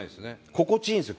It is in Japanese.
心地いいんですよ